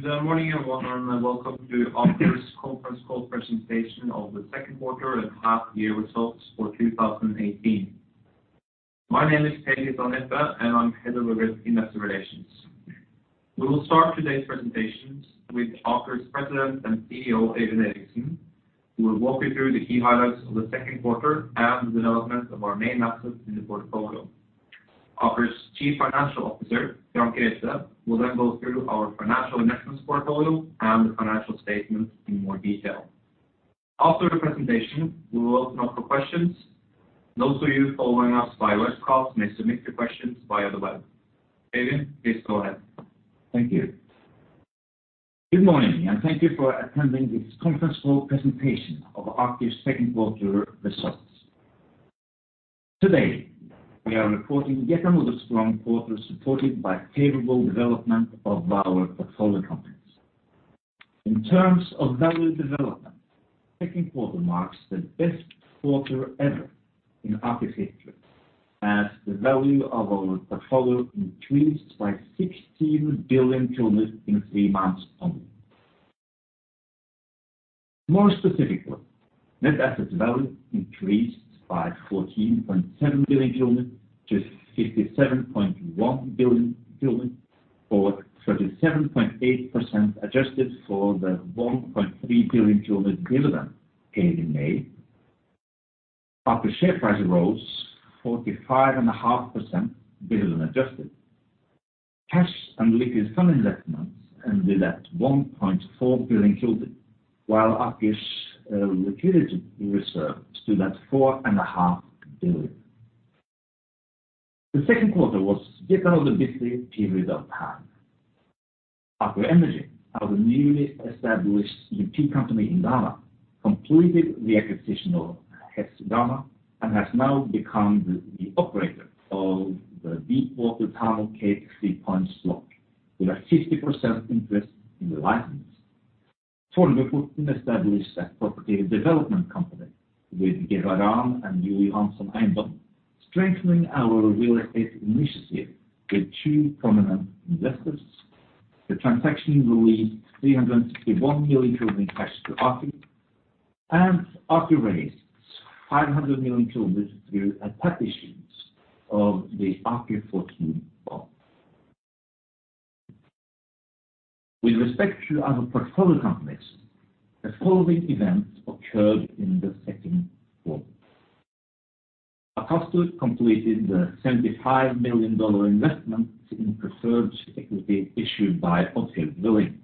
Good morning, everyone, and welcome to Aker's conference call presentation of the second quarter and half-year results for 2018. My name is Terje Zanette, and I am Head of Investor Relations. We will start today's presentations with Aker's President and CEO, Øyvind Eriksen, who will walk you through the key highlights of the second quarter and the development of our main assets in the portfolio. Aker's Chief Financial Officer, Jan Kjeseth, will go through our financial investments portfolio and the financial statements in more detail. After the presentation, we will open up for questions. Those of you following us by webcast may submit your questions via the web. Øyvind, please go ahead. Thank you. Good morning, thank you for attending this conference call presentation of Aker's second quarter results. Today, we are reporting yet another strong quarter supported by favorable development of our portfolio companies. In terms of value development, second quarter marks the best quarter ever in Aker history, as the value of our portfolio increased by 16 billion in three months only. More specifically, net asset value increased by 14.7 billion to 57.1 billion or 37.8% adjusted for the 1.3 billion dividend paid in May. Aker's share price rose 45.5% dividend adjusted. Cash and liquid fund investments ended at NOK 1.4 billion, while Aker's liquidity reserve stood at $4.5 billion. The second quarter was yet another busy period of time. Aker Energy, our newly established E&P company in Ghana, completed the acquisition of Hess Ghana and has now become the operator of the Deepwater Tano CTP block, with a 50% interest in the license. Tolvteforuten established a property development company with Geveran and Juli Hansen Eiendom, strengthening our real estate initiative with two prominent investors. The transaction released 361 million in cash to Aker. Aker raised 500 million through a tap issue of the AKER14 bond. With respect to our portfolio companies, the following events occurred in the second quarter. Akastor completed the $75 million investment in preferred equity issued by Orchard Drilling.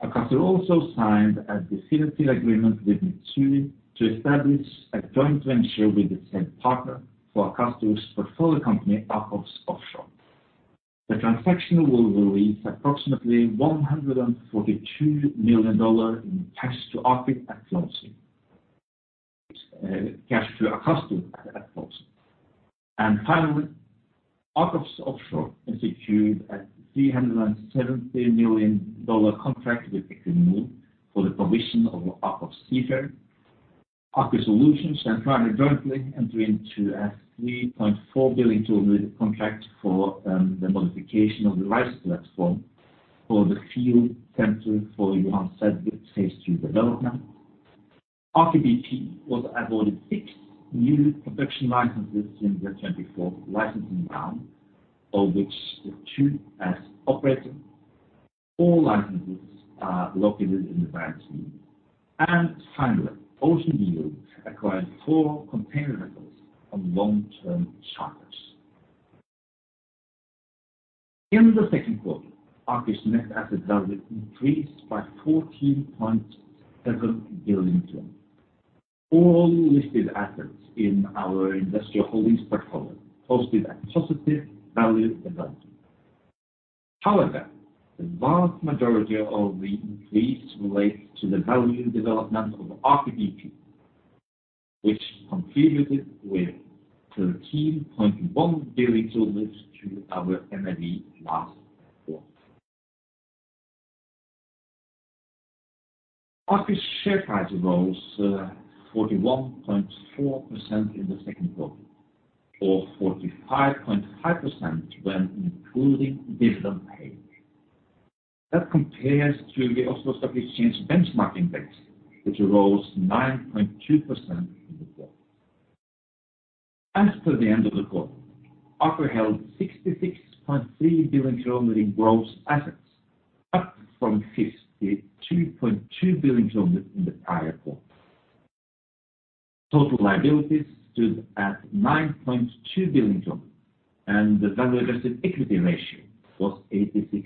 Akastor also signed a definitive agreement with Mitsui to establish a joint venture with the said partner for Akastor's portfolio company, AKOFS Offshore. The transaction will release approximately $142 million in cash to Akastor at closing. Finally, AKOFS Offshore secured a $370 million contract with Equinor for the provision of the AKOFS Seafarer. Aker Solutions and Krane Durntley entered into a 3.4 billion contract for the modification of the riser platform for the field center for Johan Sverdrup's phase III development. Aker BP was awarded six new production licenses in the 24th licensing round, of which it stood as operator. four licenses are located in the Barents Sea. Finally, Ocean Yield acquired four container vessels on long-term charters. In the second quarter, Aker's net asset value increased by 14.7 billion. All listed assets in our industrial holdings portfolio posted a positive value development. However, the vast majority of the increase relates to the value development of Aker BP, which contributed with NOK 13.1 billion to our NAV last quarter. Aker's share price rose 41.4% in the second quarter, or 45.5% when including dividend paid. That compares to the Oslo Stock Exchange benchmark index, which rose 9.2% in the quarter. As per the end of the quarter, Aker held 66.3 billion in gross assets, up from 52.2 billion in the prior quarter. Total liabilities stood at NOK 9.2 billion, and the value-adjusted equity ratio was 86%.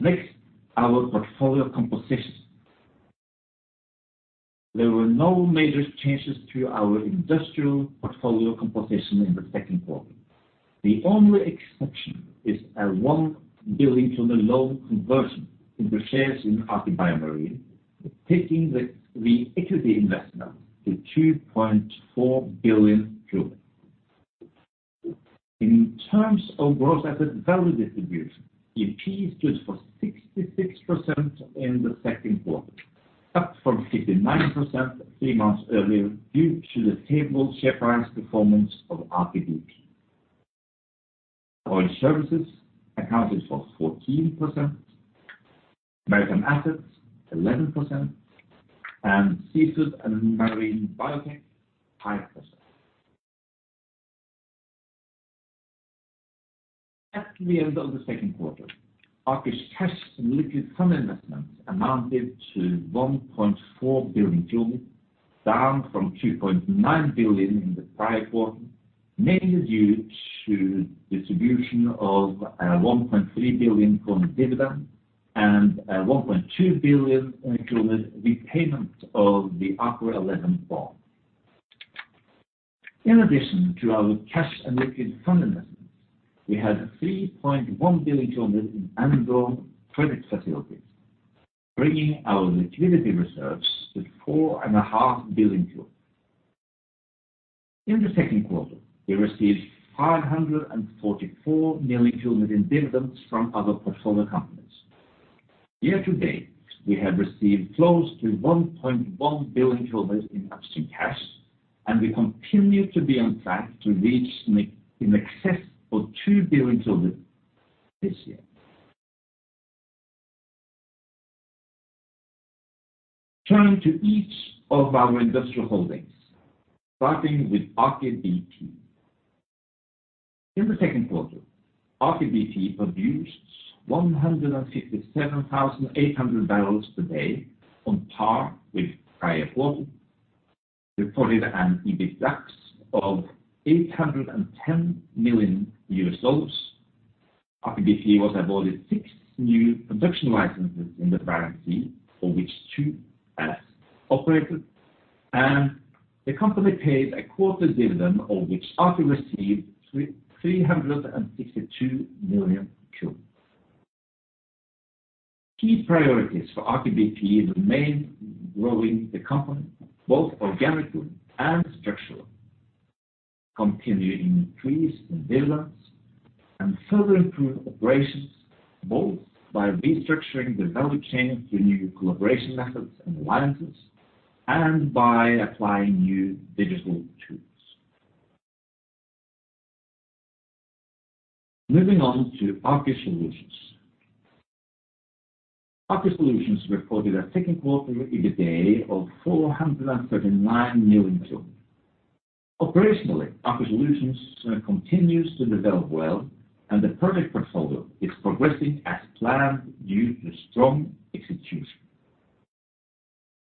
Next, our portfolio composition. There were no major changes to our industrial portfolio composition in the second quarter. The only exception is a 1 billion loan conversion into shares in Aker BioMarine, taking the equity investment to NOK 2.4 billion. In terms of gross asset value distribution, E&P stood for 66% in the second quarter, up from 59% three months earlier, due to the favorable share price performance of Aker BP. Oil Services accounted for 14%, American Assets 11%, and Seafood and Marine Biotech 5%. At the end of the second quarter, Aker's cash and liquid fund investments amounted to 1.4 billion, down from 2.9 billion in the prior quarter, mainly due to distribution of 1.3 billion dividend and 1.2 billion repayment of the AKER11 bond. In addition to our cash and liquid fund investments, we had 3.1 billion in undrawn credit facilities, bringing our liquidity reserves to 4.5 billion. In the second quarter, we received 544 million in dividends from other portfolio companies. Year-to-date, we have received close to 1.1 billion in upstream cash, and we continue to be on track to reach in excess of 2 billion this year. Turning to each of our industrial holdings, starting with Aker BP. In the second quarter, Aker BP produced 157,800 barrels per day, on par with prior quarter. Reported an EBITDAX of $810 million. Aker BP was awarded six new production licenses in the Barents Sea, for which two as operator. The company paid a quarter dividend, of which Aker received NOK 362 million. Key priorities for Aker BP remain growing the company both organically and structurally, continuing to increase in dividends, and further improve operations, both by restructuring the value chain through new collaboration methods and alliances, and by applying new digital tools. Moving on to Aker Solutions. Aker Solutions reported a second quarter EBITDA of 439 million. Operationally, Aker Solutions continues to develop well, and the project portfolio is progressing as planned due to strong execution.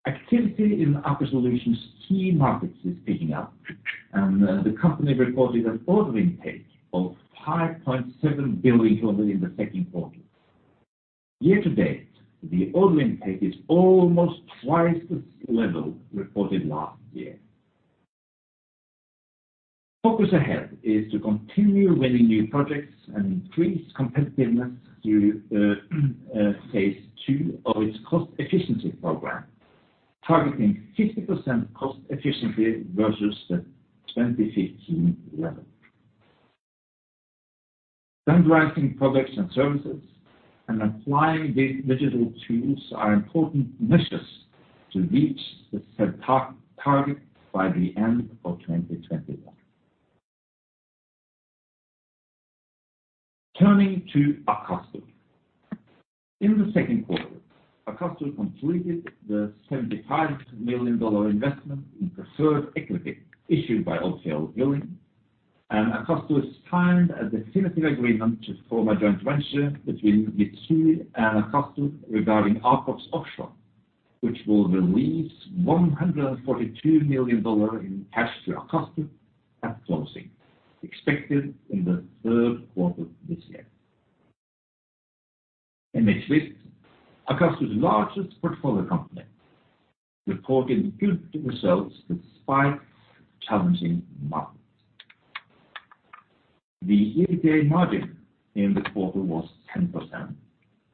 Activity in Aker Solutions key markets is picking up, and the company reported an order intake of 5.7 billion in the second quarter. Year-to-date, the order intake is almost twice this level reported last year. Focus ahead is to continue winning new projects and increase competitiveness through phase two of its cost efficiency program, targeting 50% cost efficiency versus the 2015 level. Standardizing products and services and applying digital tools are important measures to reach the set target by the end of 2021. Turning to Aker Solutions. In the second quarter, Aker Solutions completed the $75 million investment in preferred equity issued by Orchard Drilling, and Aker Solutions signed a definitive agreement to form a joint venture between Mitsui and Aker Solutions regarding AKOFS Offshore, which will release $142 million in cash to Aker Solutions at closing, expected in the third quarter of this year. MHWirth, Aker Solutions largest portfolio company, reported good results despite challenging markets. The EBITDA margin in the quarter was 10%,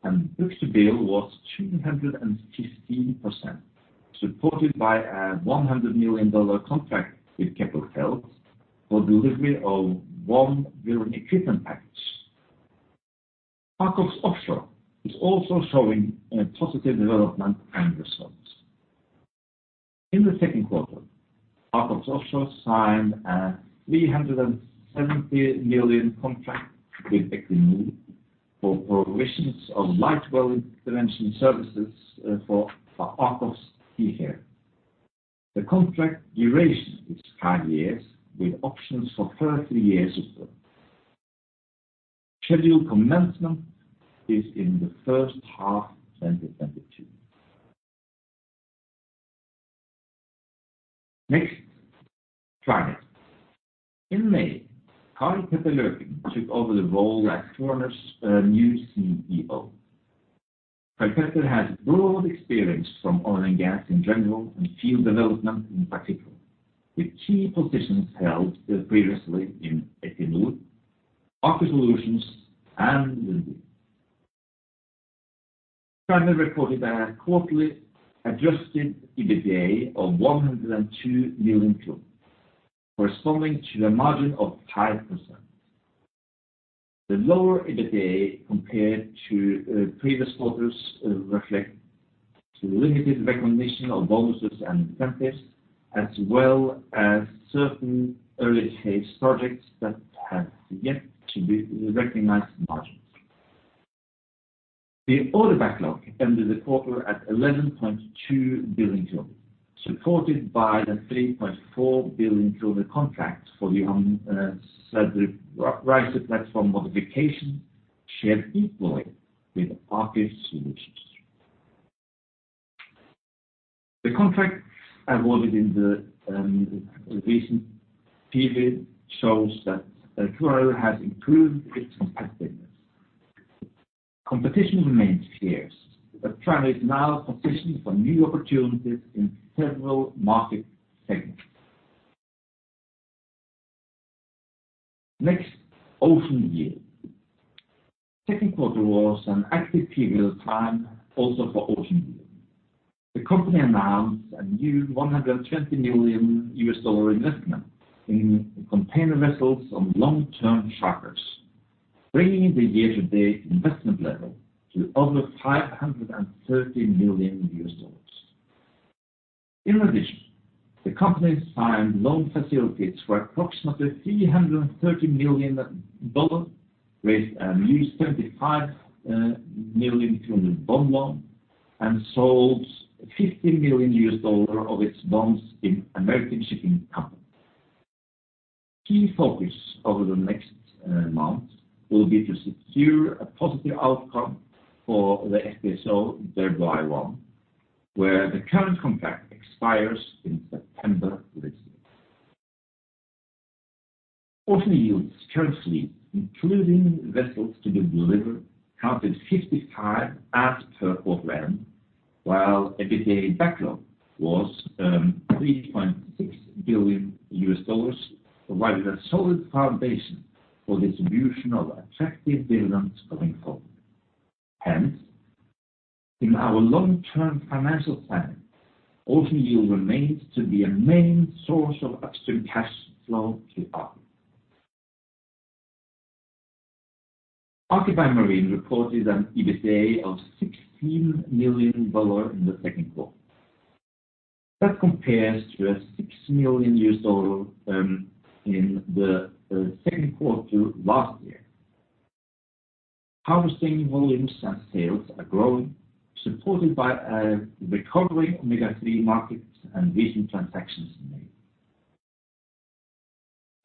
and book-to-bill was 215%, supported by a $100 million contract with Keppel FELS for delivery of one drilling equipment package. AKOFS Offshore is also showing a positive development and results. In the second quarter, AKOFS Offshore signed a $370 million contract with Equinor for provisions of light well intervention services for Aker Wayfarer. The contract duration is five years, with options for three years above. Schedule commencement is in the first half 2022. Next, Kværner. In May, Karl Løken took over the role as Kværner's new CEO. Karl Løken has broad experience from oil and gas in general and field development in particular, with key positions held previously in Equinor, Aker Solutions, and Lundin. Kværner reported a quarterly adjusted EBITDA of 102 million, corresponding to a margin of 5%. The lower EBITDA compared to previous quarters reflect the limited recognition of bonuses and incentives, as well as certain early-phase projects that have yet to be recognized margins. The order backlog ended the quarter at 11.2 billion, supported by the 3.4 billion contract for the Snorre riser platform modification, shared equally with Aker Solutions. The contracts awarded in the recent period shows that Aker has improved its competitiveness. Competition remains fierce, Aker is now positioned for new opportunities in several market segments. Next, Ocean Yield. Second quarter was an active period time also for Ocean Yield. The company announced a new $120 million investment in container vessels on long-term charters, bringing the year-to-date investment level to over $530 million. The company signed loan facilities for approximately $330 million with a new 75 million bond loan and sold $50 million of its bonds in American Shipping Company. Key focus over the next month will be to secure a positive outcome for the FPSO Dhirubhai-1, where the current contract expires in September this year. Ocean Yield's current fleet, including vessels to be delivered, counted 55 as per quarter end, while EBITDA backlog was $3.6 billion, providing a solid foundation for distribution of attractive dividends going forward. In our long-term financial plan, Ocean Yield remains to be a main source of upstream cash flow to Aker. Aker BioMarine reported an EBITDA of $16 million in the second quarter. That compares to a $6 million in the second quarter last year. Harvesting volumes and sales are growing, supported by a recovering omega-3 market and recent transactions made.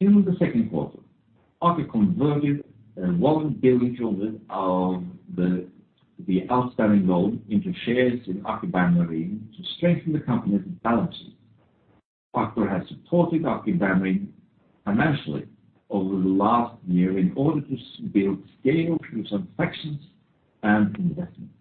In the second quarter, Aker converted $1 billion of the outstanding loan into shares in Aker BioMarine to strengthen the company's balance sheet. Aker has supported Aker BioMarine financially over the last year in order to build scale through transactions and investments.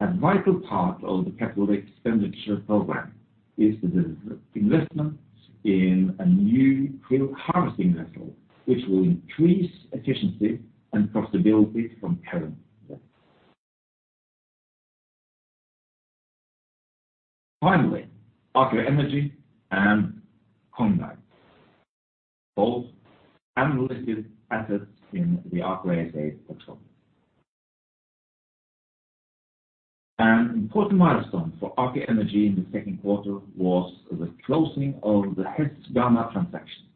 A vital part of the capital expenditure program is the investment in a new harvesting vessel, which will increase efficiency and profitability from current levels. Aker Energy and Cognite, both unlisted assets in the Aker ASA portfolio. An important milestone for Aker Energy in the second quarter was the closing of the Hess Ghana transaction.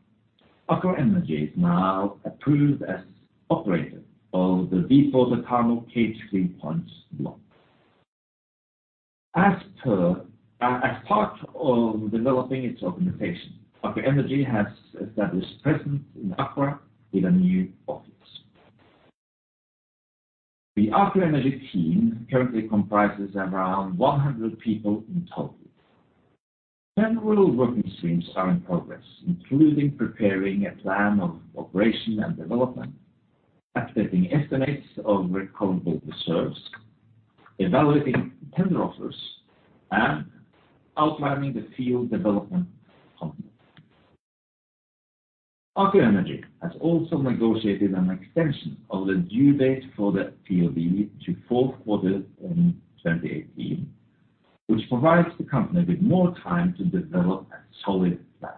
Aker Energy is now approved as operator of the Wiese Karma K3.1 block. As part of developing its organization, Aker Energy has established presence in Accra with a new office. The Aker Energy team currently comprises around 100 people in total. Several working streams are in progress, including preparing a plan of operation and development, updating estimates of recoverable reserves, evaluating tender offers, and outlining the field development concept. Aker Energy has also negotiated an extension of the due date for the POD to fourth quarter 2018, which provides the company with more time to develop a solid plan.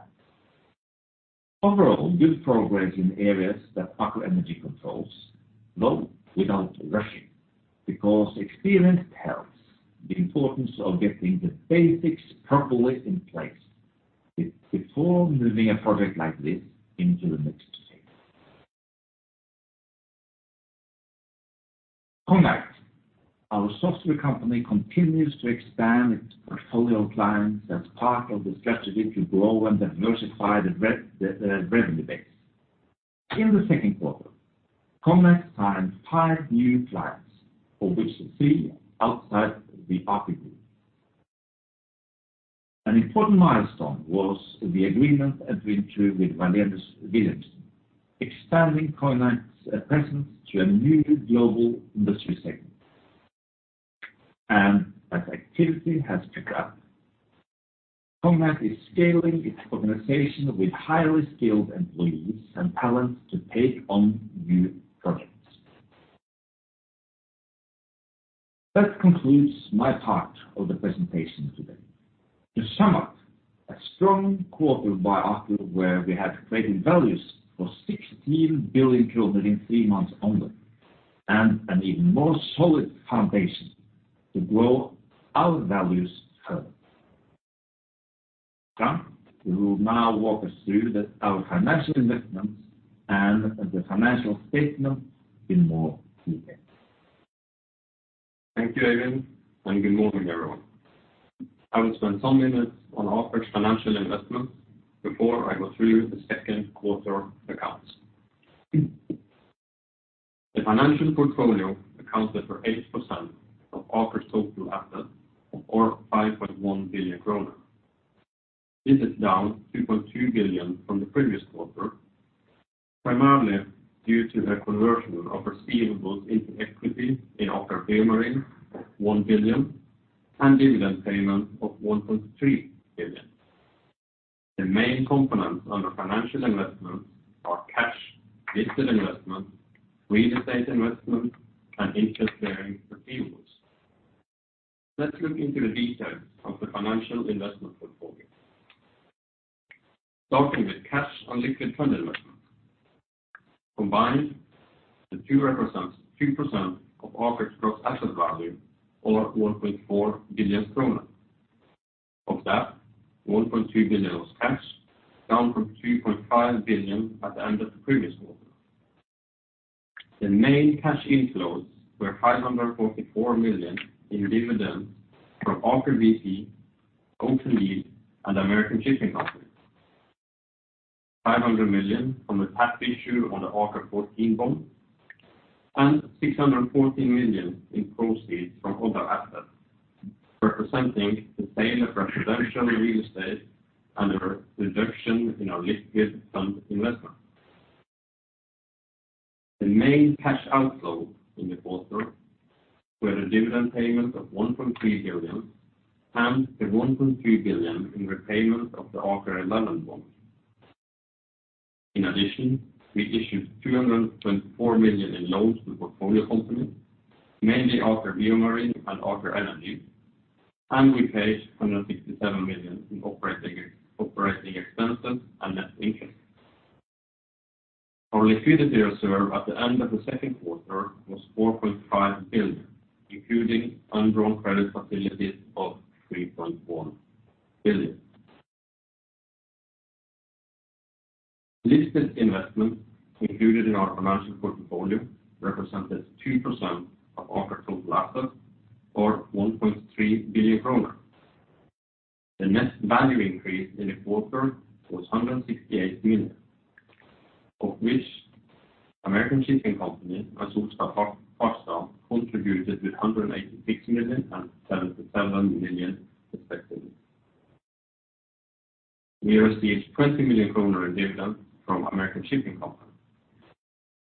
Overall, good progress in areas that Aker Energy controls, though without rushing, because experience tells the importance of getting the basics properly in place before moving a project like this into the next phase. Cognite, our software company, continues to expand its portfolio of clients as part of the strategy to grow and diversify the revenue base. In the second quarter, Cognite signed five new clients, of which three are outside the Aker Group. An important milestone was the agreement entered with Vallourec, expanding Cognite's presence to a new global industry segment. As activity has picked up, Cognite is scaling its organization with highly skilled employees and talents to take on new projects. That concludes my part of the presentation today. To sum up, a strong quarter by Aker, where we have created values for 16 billion in three months only, and an even more solid foundation to grow our values further. Per, who will now walk us through our financial investments and the financial statement in more detail. Thank you, Øyvind. Good morning, everyone. I will spend some minutes on Aker's financial investments before I go through the second quarter accounts. The financial portfolio accounted for 8% of Aker's total assets, or 5.1 billion kroner. This is down 2.2 billion from the previous quarter, primarily due to the conversion of receivables into equity in Aker BioMarine of 1 billion and dividend payment of 1.3 billion. The main components under financial investments are cash, listed investments, real estate investments, and interest-bearing receivables. Let's look into the details of the financial investment portfolio. Starting with cash and liquid fund investments. Combined, the two represent 2% of Aker's gross asset value or 1.4 billion kroner. Of that, 1.2 billion was cash, down from 3.5 billion at the end of the previous quarter. The main cash inflows were 544 million in dividends from Aker BP, Golden Leap, and American Shipping Company, 500 million from the tap issue on the AKER14 bond, 614 million in proceeds from other assets, representing the sale of residential real estate and a reduction in our liquid fund investment. The main cash outflows in the quarter were the dividend payment of 1.3 billion and the 1.3 billion in repayment of the AKER11 bond. In addition, we issued 324 million in loans to portfolio companies, mainly Aker BioMarine and Aker Energy, and we paid 167 million in operating expenses and net interest. Our liquidity reserve at the end of the second quarter was $4.5 billion, including undrawn credit facilities of $3.1 billion. Listed investments included in our financial portfolio represented 2% of Aker's total assets or 1.3 billion kroner. The net value increase in the quarter was 168 million, of which American Shipping Company and Solstad Offshore contributed with 186 million and 77 million respectively. We received 20 million kroner in dividends from American Shipping Company.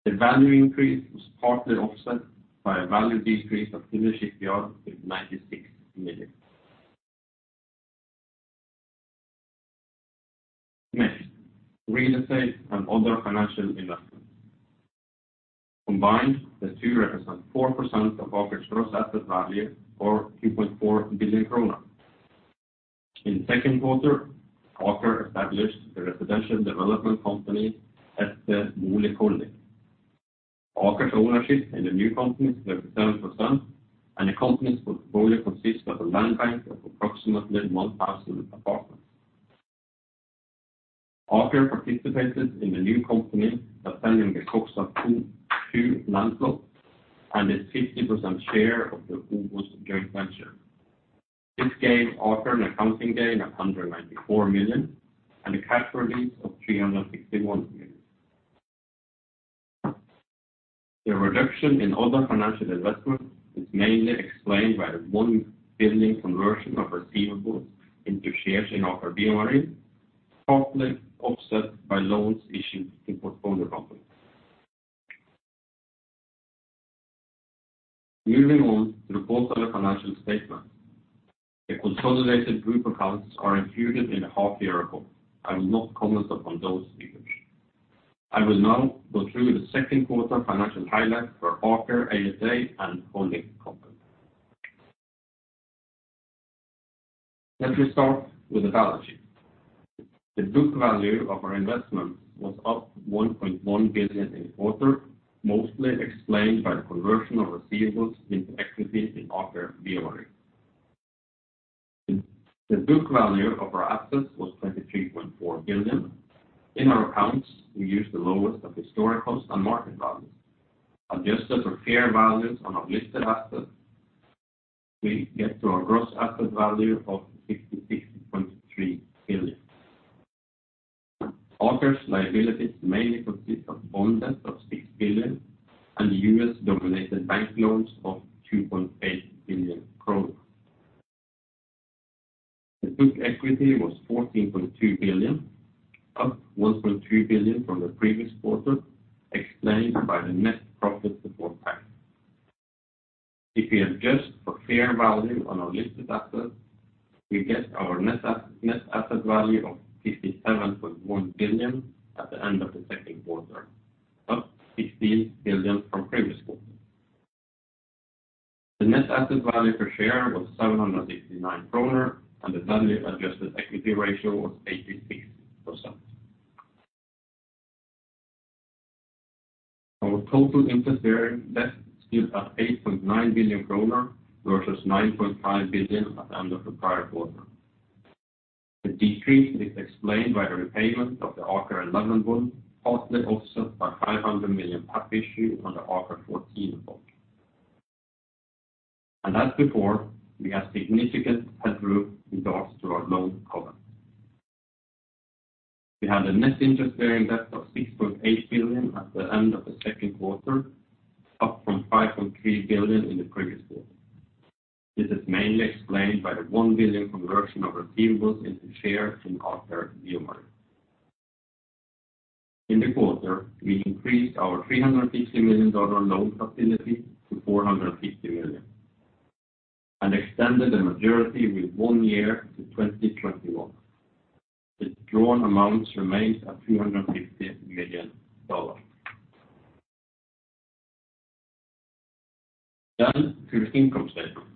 The value increase was partly offset by a value decrease of Hynø Shipyard with 96 million. Real estate and other financial investments. Combined, the two represent 4% of Aker's gross asset value or 2.4 billion kroner. In the second quarter, Aker established the residential development company ST Mulig Holding. Aker's ownership in the new company is 37%, and the company's portfolio consists of a land bank of approximately 1,000 apartments. Aker participated in the new company by selling the Kokstav2 land plot and its 50% share of the Hovos joint venture. This gave Aker an accounting gain of 194 million and a cash release of 361 million. The reduction in other financial investments is mainly explained by the 1 billion conversion of receivables into shares in Aker BioMarine, partly offset by loans issued to portfolio companies. Moving on to the quarterly financial statement. The consolidated group accounts are included in the half-yearly report. I will not comment upon those figures. I will now go through the second quarter financial highlights for Aker ASA and holding company. Let me start with the balance sheet. The book value of our investments was up 1.1 billion in the quarter, mostly explained by the conversion of receivables into equity in Aker BioMarine. The book value of our assets was 23.4 billion. In our accounts, we use the lowest of historical and market values. Adjusted for fair values on our listed assets, we get to our gross asset value of 56.3 billion. Aker's liabilities mainly consist of bonds of 6 billion and US-denominated bank loans of $2.8 billion. The book equity was 14.2 billion, up 1.3 billion from the previous quarter, explained by the net profit of NOK 400. If you adjust for fair value on our listed assets. We get our net asset value of 57.1 billion at the end of the second quarter, up 16 billion from previous quarter. The net asset value per share was 769 kroner, and the value adjusted equity ratio was 86%. Our total interest-bearing debt stood at 8.9 billion kroner versus 9.5 billion at the end of the prior quarter. The decrease is explained by the repayment of the AKER11 bond, partly offset by 500 million public issue on the AKER14 bond. As before, we have significant headroom in regards to our loan covenant. We had a net interest-bearing debt of 6.8 billion at the end of the second quarter, up from 5.3 billion in the previous quarter. This is mainly explained by the 1 billion conversion of receivables into share from Aker BioMarine. In the quarter, we increased our $350 million loan facility to $450 million and extended the maturity with one year to 2021. The drawn amounts remains at $350 million. To the income statement.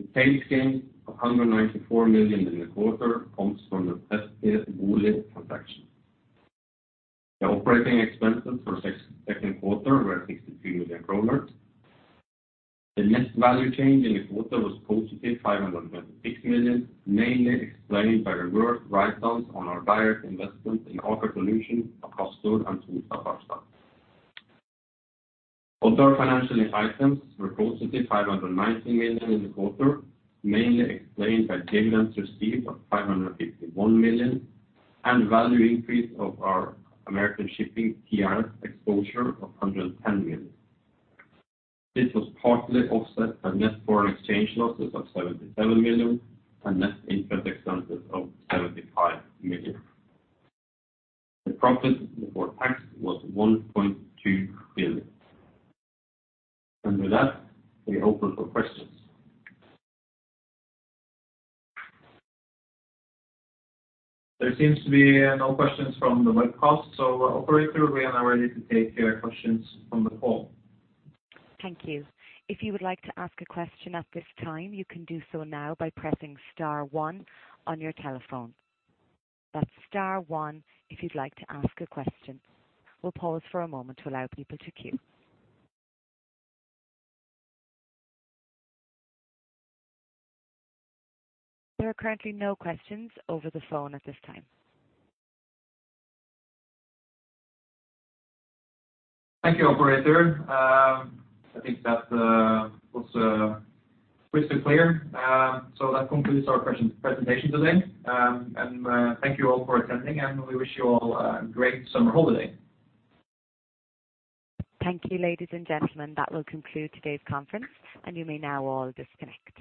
The gains of 194 million in the quarter comes from the Presto Bolide transaction. The operating expenses for second quarter were 63 million. The net value change in the quarter was positive 526 million, mainly explained by the reverse write-downs on our direct investment in Aker Solutions acquired and through Subsea. Other financial items were positive 519 million in the quarter, mainly explained by dividends received of 551 million and value increase of our American Shipping TRS exposure of 110 million. This was partly offset by net foreign exchange losses of 77 million and net interest expenses of 75 million. The profit before tax was 1.2 billion. With that, we open for questions. There seems to be no questions from the webcast, operator, we are now ready to take questions from the call. Thank you. If you would like to ask a question at this time, you can do so now by pressing star one on your telephone. That's star one if you'd like to ask a question. We'll pause for a moment to allow people to queue. There are currently no questions over the phone at this time. Thank you, operator. I think that was crystal clear. That concludes our presentation today. Thank you all for attending, we wish you all a great summer holiday. Thank you, ladies and gentlemen. That will conclude today's conference, you may now all disconnect.